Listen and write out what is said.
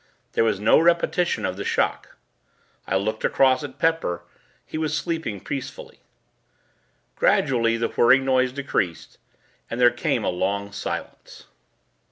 There was no repetition of the shock. I looked across at Pepper. He was sleeping peacefully. Gradually, the whirring noise decreased, and there came a long silence.